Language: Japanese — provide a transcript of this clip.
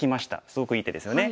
すごくいい手ですよね。